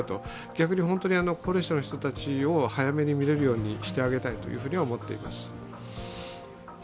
逆に高齢者の人たちを早めに診れるようにしてあげたいと思っています。